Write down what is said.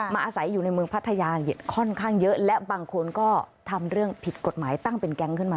อาศัยอยู่ในเมืองพัทยาค่อนข้างเยอะและบางคนก็ทำเรื่องผิดกฎหมายตั้งเป็นแก๊งขึ้นมา